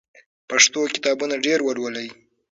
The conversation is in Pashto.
پښتو کتابونه ډېر ولولئ.